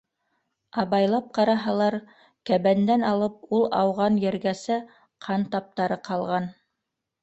Абайлап ҡараһалар, кәбәндән алып ул ауған ергәсә ҡан таптары ҡалған...